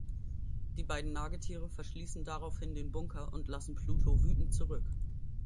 Die beiden Nagetiere verschließen daraufhin den Bunker und lassen Pluto wütend zurück.